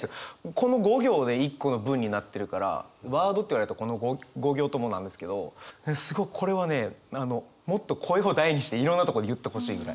この５行で一個の文になってるからワードって言われるとこの５行ともなんですけどすごくこれはねもっと声を大にしていろんなところで言ってほしいぐらい。